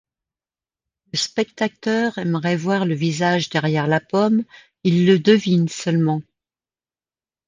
Le spectateur aimerait voir le visage derrière la pomme, il le devine seulement.